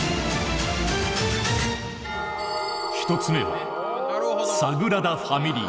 １つ目は「サグラダ・ファミリア」。